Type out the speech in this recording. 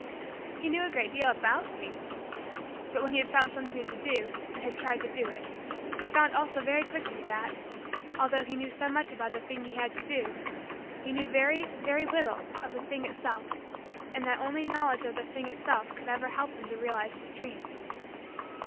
He knew a great deal about things. But when he had found something to do, and had tried to do it, he found also very quickly that, although he knew so much about the thing he had to do, he knew very, very, little of the thing itself and that only knowledge of the thing itself could ever help him to realize his dreams.